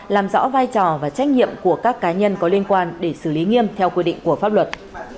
làm rõ vai trò và trách nhiệm của các cá nhân có liên quan để xử lý nghiêm theo quy định của pháp luật